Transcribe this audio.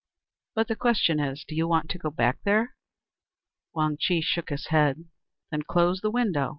But the question is, do you want to go back there?" Wang Chih shook his head. "Then close the window.